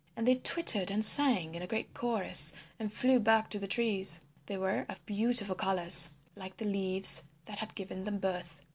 And they twittered and sang in a great chorus and flew back to the trees. They were of beautiful colours like the leaves that had given them birth.